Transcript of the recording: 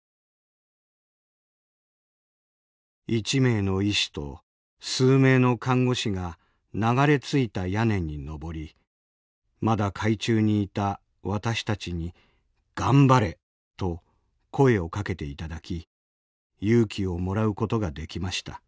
「１名の医師と数名の看護師が流れ着いた屋根に上りまだ海中にいた私たちに『がんばれ』と声をかけていただき勇気をもらうことができました。